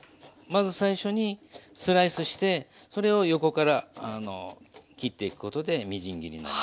まず最初にスライスしてそれを横から切っていくことでみじん切りになります。